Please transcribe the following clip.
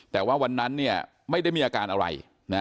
แต่ว่าวันนั้นไม่ได้มีอาการอะไร